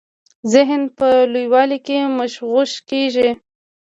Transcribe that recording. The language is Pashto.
ذهن په لویوالي کي مغشوش کیږي.